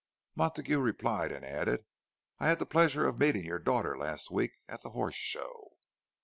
Montague replied, and added, "I had the pleasure of meeting your daughter last week, at the Horse Show."